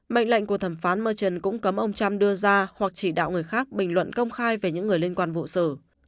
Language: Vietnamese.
mệnh lệnh của thẩm phán merchon cũng cấm ông trump đưa ra hoặc chỉ đạo người khác bình luận công khai về những người liên quan vụ xử